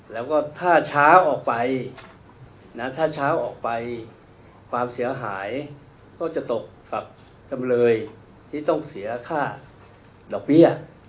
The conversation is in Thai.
แล้วก็ถ้าช้าออกไปความเสียหายก็จะตกกับกำเลยที่ต้องเสียค่าดอกเบี้ย